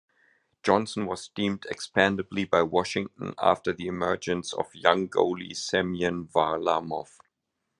Johnson was deemed expendable by Washington after the emergence of young goalie Semyon Varlamov.